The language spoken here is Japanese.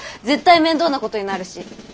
絶対面倒なことになるし。